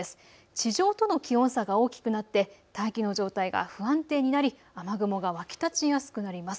地上との気温差が大きくなって大気の状態が不安定になり雨雲が湧き立ちやすくなります。